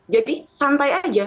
jadi santai aja